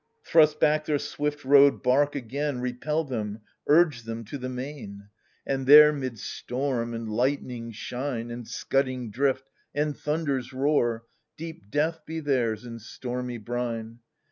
Thrust back their swift rowed bark again, Repel them, urge them to the main ! THE SUPPLIANT MAIDENS. ^^ And there, 'mid storm and lightning's shine, And scudding drift and thunder's roar. Deep death be theirs, in stormy brine